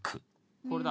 これだ。